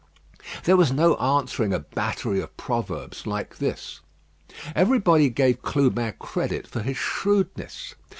There was no answering a battery of proverbs like this. Everybody gave Clubin credit for his shrewdness.